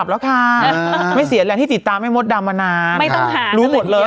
เขาชื่นชมเขาให้มดดำมันใหญ่